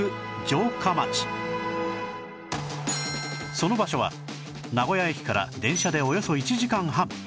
その場所は名古屋駅から電車でおよそ１時間半